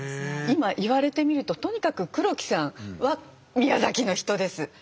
今言われてみるととにかく黒木さんは宮崎の人です。